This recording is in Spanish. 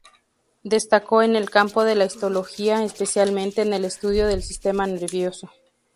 Destacó en el campo de la Histología, especialmente en el estudio del sistema nervioso.